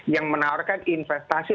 yang menawarkan investasi